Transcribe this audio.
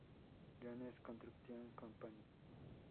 Jones Construction Company.